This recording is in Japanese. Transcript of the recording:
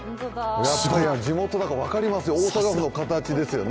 地元だから分かりますよ、大阪府の形ですよね。